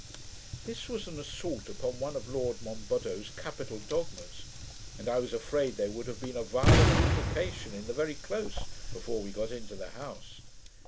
This was an assault upon one of Lord Monboddo's capital dogmas, and I was afraid there would have been a violent altercation in the very close, before we got into the house.